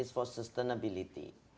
dan juga untuk sustainability